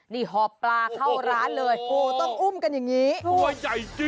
นี่หอปลาเข้าร้านโอ้โหต้องอุ้มกันอย่างนี้